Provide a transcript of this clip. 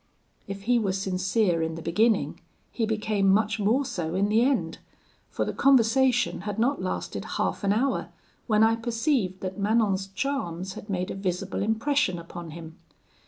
If he were sincere in the beginning, he became much more so in the end, for the conversation had not lasted half an hour, when I perceived that Manon's charms had made a visible impression upon him.